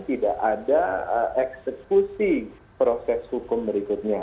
tidak ada eksekusi proses hukum berikutnya